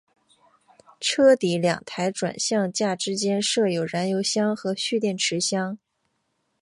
车底两台转向架之间设有燃油箱和蓄电池箱。